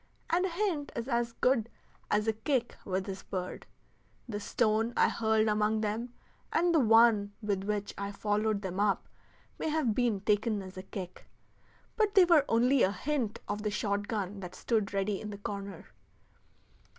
And a hint is as good as a kick with this bird. The stone I hurled among them, and the one with which I followed them up, may have been taken as a kick; but they were only a hint of the shot gun that stood ready in the corner.